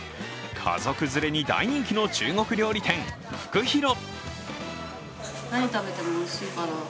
家族連れに大人気の中国料理店・福ひろ・